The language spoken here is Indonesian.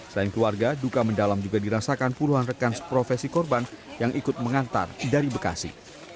selain keluarga duka mendalam juga dirasakan puluhan rekan profesi korban yang ikut mengantar dari bekasi